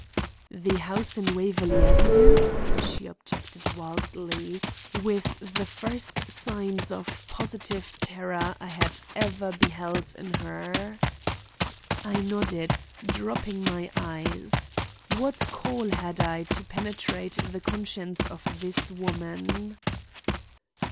"The house in Waverley Avenue?" she objected wildly, with the first signs of positive terror I had ever beheld in her. I nodded, dropping my eyes. What call had I to penetrate the conscience of this woman?